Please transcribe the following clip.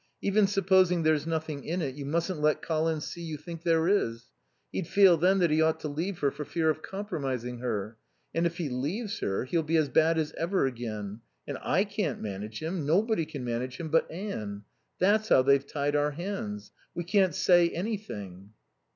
Even supposing there's nothing in it, you mustn't let Colin see you think there is. He'd feel then that he ought to leave her for fear of compromising her. And if he leaves her he'll be as bad as ever again. And I can't manage him. Nobody can manage him but Anne. That's how they've tied our hands. We can't say anything."